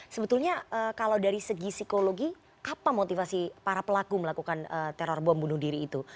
sebetulnya kalau dari segi psikologi apa motivasi para pelaku melakukan teror bom bunuh diri itu